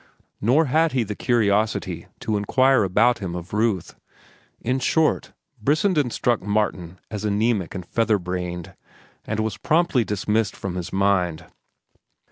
Nor had he the curiosity to inquire about him of Ruth. In short, Brissenden struck Martin as anaemic and feather brained, and was promptly dismissed from his mind.